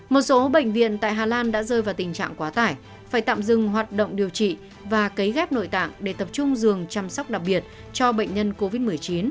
một số bệnh viện tại hà lan đã rơi vào tình trạng quá tải phải tạm dừng hoạt động điều trị và cấy ghép nội tạng để tập trung giường chăm sóc đặc biệt cho bệnh nhân covid một mươi chín